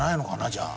じゃあ。